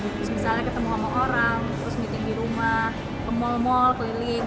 terus misalnya ketemu sama orang terus meeting di rumah ke mal mal keliling